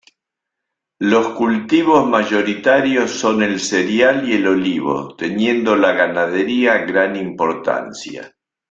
Los cultivos mayoritarios son el cereal y el olivo teniendo la ganadería gran importancia.